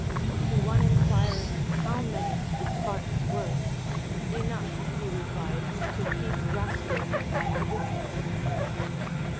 To one enquiring how many the Spartans Λvere, Enough, he replied, to keep rascals at a distance.